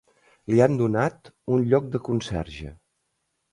Li han donat un lloc de conserge.